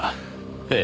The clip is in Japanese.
ええ。